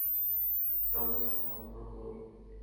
ওটা বুঝি আমার উপর হল?